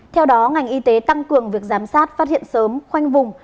theo đó ngành y tế tăng cường việc giám sát phát hiện sớm khoanh vùng